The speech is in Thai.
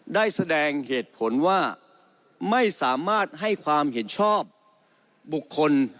ได้แสดงเหตุผลว่าไม่สามารถให้ความเห็นชอบบุคคล